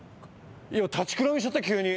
立ちくらみしちゃった急に。